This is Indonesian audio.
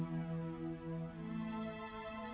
aku sudah berjalan